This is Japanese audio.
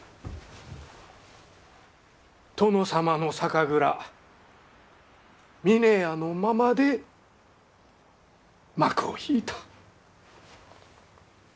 殿様の酒蔵峰屋のままで幕を引いた。